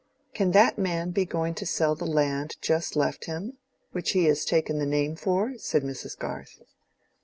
"Can that man be going to sell the land just left him—which he has taken the name for?" said Mrs. Garth.